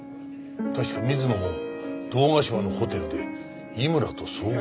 確か水野も堂ヶ島のホテルで井村とそう話していた。